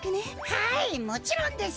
はいもちろんです。